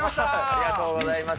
ありがとうございます。